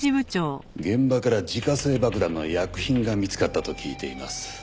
現場から自家製爆弾の薬品が見つかったと聞いています。